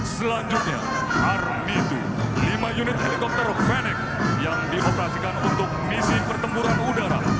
selanjutnya army dua lima unit helikopter fenex yang dioperasikan untuk misi pertempuran udara